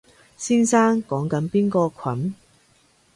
先生講緊邊個群？